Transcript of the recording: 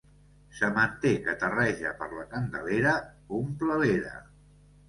Sementer que terreja per la Candelera omple l'era.